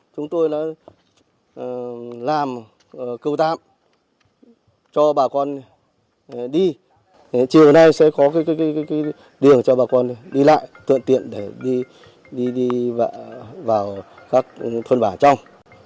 chúng tôi làm cầu tạm cho bà con đi chiều nay sẽ có đường cho bà con đi lại tượng tiện để đi vào các thôn bà trong